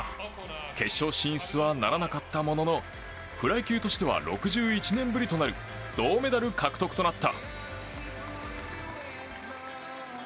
決勝進出はならなかったもののフライ級としては６１年ぶりとなる銅メダル獲得となった。